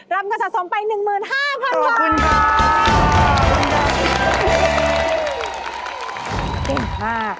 รับเงินสะสมไป๑๕๐๐๐บาท